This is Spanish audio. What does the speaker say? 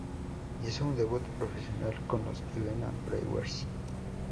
Hizo su debut profesional con los Helena Brewers.